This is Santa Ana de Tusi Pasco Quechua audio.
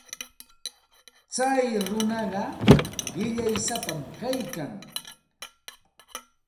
Tsay runaqa qillaysapam kaykan.